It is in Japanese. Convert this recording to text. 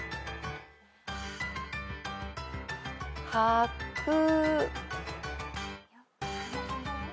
はく。